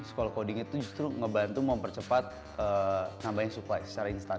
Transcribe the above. sekolah coding itu justru ngebantu mempercepat nambahin supply secara instan